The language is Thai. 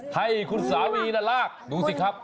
ให้คุณสามีนะลากดูสิครับ